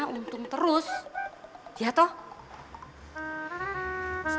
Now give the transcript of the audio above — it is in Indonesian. mau untung terus ya toh